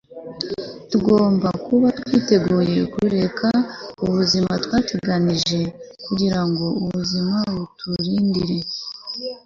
tugomba kuba twiteguye kureka ubuzima twateganije, kugira ngo ubuzima buturindire